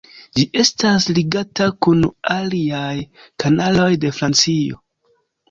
Ĝi estas ligata kun aliaj kanaloj de Francio.